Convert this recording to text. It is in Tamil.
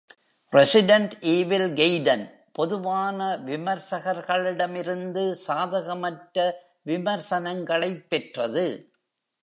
"ரெசிடென்ட் ஈவில் கெய்டன்" பொதுவான விமர்சகர்களிடமிருந்து சாதகமற்ற விமர்சனங்களைப் பெற்றது.